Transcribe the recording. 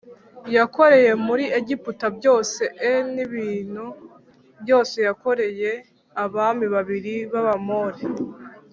yakoreye muri Egiputa byose e n ibintu byose yakoreye abami babiri b Abamori